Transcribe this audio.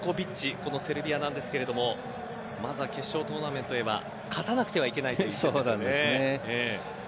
このセルビアなんですけれどもまずは決勝トーナメントへは勝たなくてはいけない一戦です。